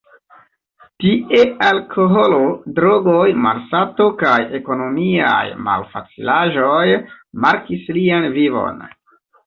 Tie alkoholo, drogoj, malsato kaj ekonomiaj malfacilaĵoj markis lian vivon.